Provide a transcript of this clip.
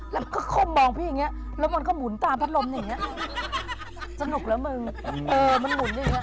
แล้วก็คมมองพี่อย่างนี้แล้วมันก็หมุนตามยิงยังไงฮ่าสนุกเหรอมึงอือมันนุ่นอย่างนี้